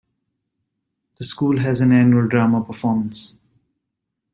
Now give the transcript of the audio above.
The school has an annual drama performance.